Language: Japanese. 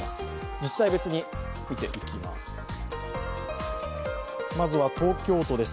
自治体別に見ていきます。